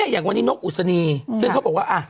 อย่างวันนี้นกอุศนีซึ่งเขาบอกว่า